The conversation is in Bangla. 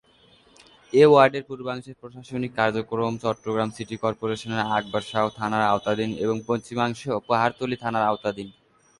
এ ওয়ার্ডের পূর্বাংশের প্রশাসনিক কার্যক্রম চট্টগ্রাম সিটি কর্পোরেশনের আকবর শাহ থানার আওতাধীন এবং পশ্চিমাংশ পাহাড়তলী থানার আওতাধীন।